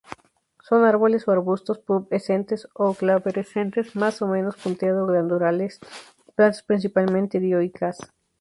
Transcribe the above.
Son árboles o arbustos, pubescentes o glabrescentes, más o menos punteado-glandulares; plantas principalmente dioicas.